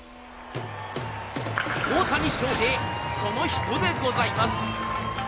大谷翔平、その人でございます。